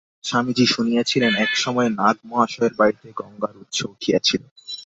স্বামীজী শুনিয়াছিলেন, এক সময়ে নাগ-মহাশয়ের বাড়ীতে গঙ্গার উৎস উঠিয়াছিল।